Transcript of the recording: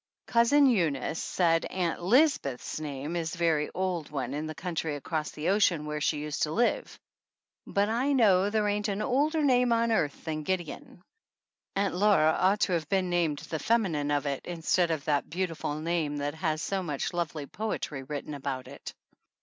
Cousin Eunice said Ann Lisbeth's THE ANNALS OF ANN name is a very old one in the country across the ocean where she used to live, but I know there ain't an older name on earth than Gideon. Aunt Laura ought to have been named the feminine of it, instead of that beautiful name that has so much lovely poetry written about it.